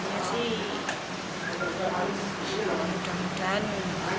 karena pemerintah bisa pilih gitu